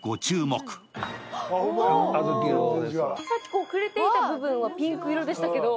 さっき空気に触れていた部分はピンク色でしたけど。